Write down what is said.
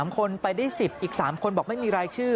๓คนไปได้๑๐อีก๓คนบอกไม่มีรายชื่อ